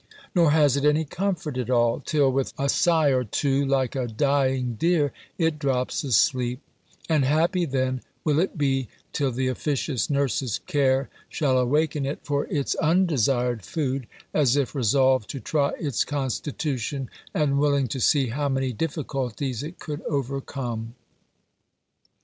Nor has it any comfort at all, till with a sigh or two, like a dying deer, it drops asleep; and happy then will it be till the officious nurse's care shall awaken it for its undesired food, as if resolved to try its constitution, and willing to see how many difficulties it could overcome.